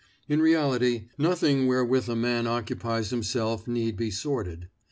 In reality, nothing wherewith a man occupies himself need be sordid.